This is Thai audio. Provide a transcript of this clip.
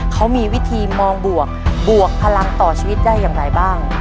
เขามีวิธีมองบวกบวกพลังต่อชีวิตได้อย่างไรบ้าง